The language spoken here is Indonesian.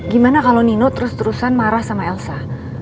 gimana kalau nino terus terusan marah sama elsa